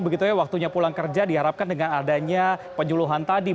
begitunya waktunya pulang kerja diharapkan dengan adanya penjuluhan tadi